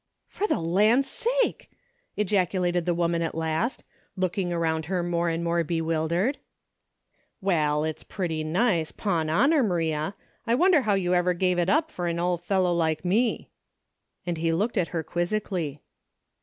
" For the land sake !" ejaculated the Woman at last, looking around her more and more be wildered. "Wal, it's pretty nice, 'pon honor, M'ria, I wonder now you ever give it up fer an ole fel low like me," and he looked at her quizzically.